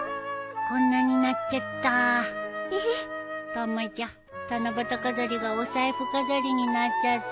たまちゃん七夕飾りがお財布飾りになっちゃったよ。